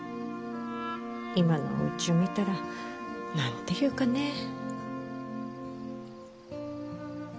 今のうちを見たら何て言うかねえ。